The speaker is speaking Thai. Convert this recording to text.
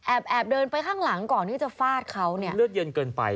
แอบเดินไปข้างหลังก่อนที่จะฟาดเขา